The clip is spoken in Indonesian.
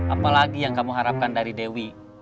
apalagi yang kamu harapkan dari dewi